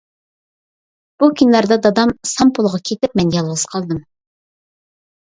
بۇ كۈنلەردە دادام سامپۇلغا كېتىپ مەن يالغۇز قالدىم.